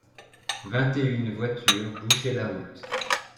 Vingt-et-une voitures bouchaient la route.